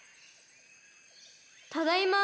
・ただいま。